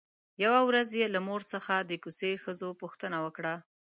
يوه ورځ يې له مور څخه د کوڅې ښځو پوښتنه وکړه.